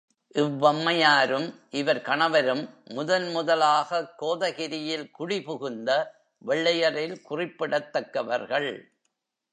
இவ்வம்மையாரும், இவர் கணவரும் முதன் முதலாகக் கோதகிரியில் குடி புகுந்த வெள்ளையரில் குறிப்பிடத் தக்கவர்கள்.